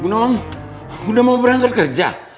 bu nolong udah mau berangkat kerja